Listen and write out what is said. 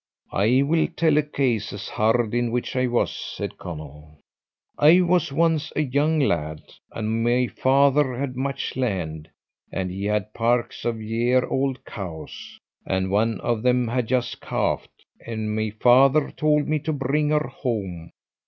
"I will tell a case as hard in which I was," said Conall. "I was once a young lad, and my father had much land, and he had parks of year old cows, and one of them had just calved, and my father told me to bring her home.